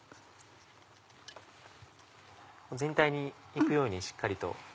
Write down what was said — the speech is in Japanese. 全体に行くようにしっかりと。